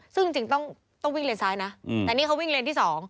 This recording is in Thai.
ซึ่งจริงต้องวิ่งเลนซ้ายนะแต่นี่เขาวิ่งเลนที่๒